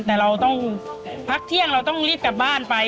แต่เราต้องพักเที่ยงเราต้องรีบกลับบ้านไป